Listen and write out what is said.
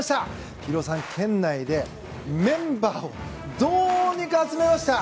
博男さん、県内でメンバーをどうにか集めました。